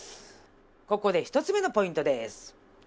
ここで１つ目のポイントです。